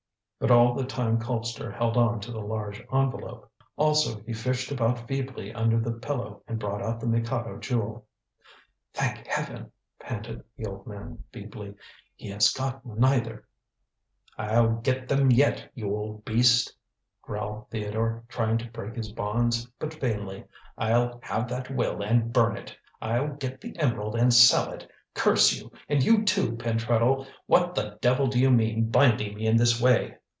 But all the time Colpster held on to the large envelope. Also, he fished about feebly under the pillow and brought out the Mikado Jewel. "Thank heaven!" panted the old man feebly; "he has got neither." "I'll get them yet, you old beast," growled Theodore, trying to break his bonds, but vainly. "I'll have that will and burn it. I'll get the emerald and sell it. Curse you! And you too, Pentreddle! What the devil do you mean binding me in this way?"